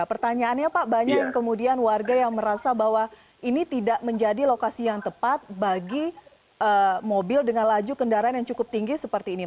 pertanyaannya pak banyak kemudian warga yang merasa bahwa ini tidak menjadi lokasi yang tepat bagi mobil dengan laju kendaraan yang cukup tinggi seperti ini